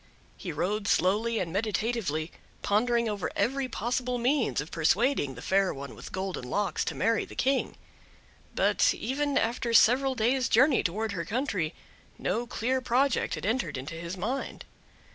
He rode slowly and meditatively, pondering over every possible means of persuading the Fair One with Golden Locks to marry the King; but, even after several days journey towards her country, no clear project had entered into his mind.